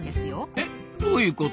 えどういうこと？